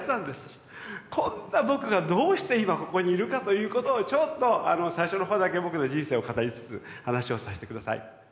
こんな僕がどうして今ここにいるかということをちょっと最初のほうだけ僕の人生を語りつつ話をさせて下さい。